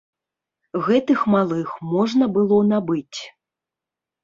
Гэтых малых можна было набыць.